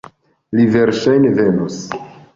Li verŝajne venos.